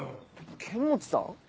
剣持さん？